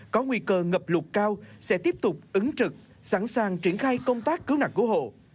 có nguy cơ ngập lụt cao sẽ tiếp tục ứng trực sẵn sàng triển khai công tác cứu nạn cứu hộ